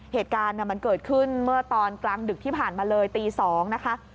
เหตุการณ์มันเกิดขึ้นเมื่อตอนกลางดึกที่ผ่านมาเลยตี๒นะคะ